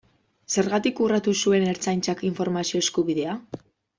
Zergatik urratu zuen Ertzaintzak informazio eskubidea?